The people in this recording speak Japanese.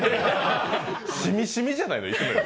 しみしみじゃないの。